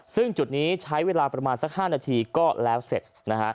ซึ่งจุดนี้ใช้เวลาประมาณสัก๕นาทีก็แล้วเสร็จนะฮะ